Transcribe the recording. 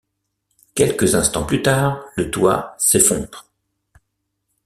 Quelques instants plus tard, le toit s’effondre.